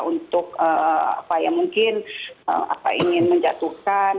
untuk apa ya mungkin ingin menjatuhkan